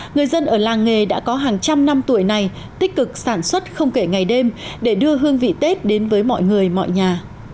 người dân ở làng nghề đã có hàng trăm năm tuổi này tích cực sản xuất không kể ngày đêm để đưa hương vị tết đến với mọi người mọi nhà